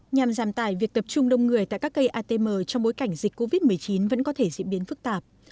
nhằm giảm tải việc tập trung đông người tại các cây atm trong bối cảnh dịch covid một mươi chín vẫn có thể diễn biến phức tạp